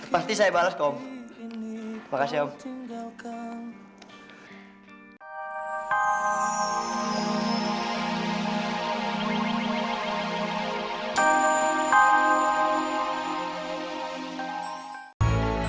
pasti saya bales ke om